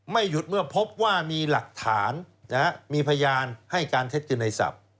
ไม่หยุดเมื่อพบว่ามีหลักฐานมีพยานให้การเท็จคือในศัพท์